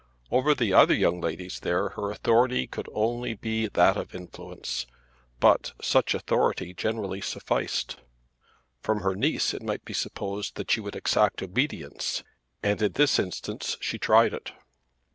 Over the other young ladies there her authority could only be that of influence, but such authority generally sufficed. From her niece it might be supposed that she would exact obedience, and in this instance she tried it.